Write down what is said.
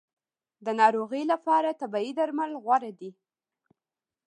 د ناروغۍ لپاره طبیعي درمل غوره دي